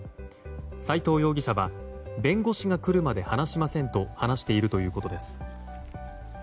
斎藤容疑者は弁護士が来るまで話しませんと話しているということです。